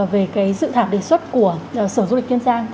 về cái dự thạc đề xuất của sở du lịch kiên giang